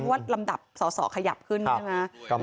ว่าลำดับสอสอขยับขึ้นใช่ไหม